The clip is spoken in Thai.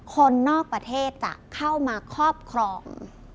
คนนอกประเทศจะเข้ามาครอบครอง